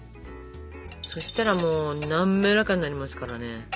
そしたらもうなめらかになりますからね。